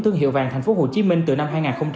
thương hiệu vàng tp hcm từ năm hai nghìn một mươi